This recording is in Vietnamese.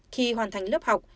khi hoàn thành lớp học